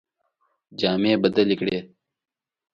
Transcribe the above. جامې بدلي کړې.